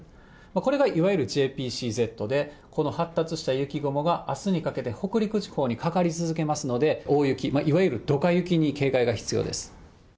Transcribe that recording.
これがいわゆるＪＰＣＺで、この発達した雪雲があすにかけて北陸地方にかかり続けますので、大雪、いわゆるドカ雪に警戒が必要です。